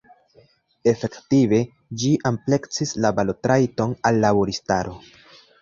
Efektive, ĝi ampleksis balotrajton al laboristaro.